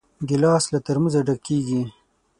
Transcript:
ګیلاس له ترموزه ډک کېږي.